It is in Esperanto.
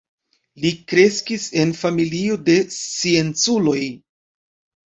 Li kreskis en familio de scienculoj.